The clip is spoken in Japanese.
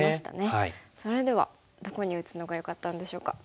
それではどこに打つのがよかったんでしょうか。